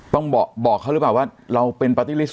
ต้องบอกเขาหรือเปล่าว่าเราเป็นปาร์ตี้ลิสต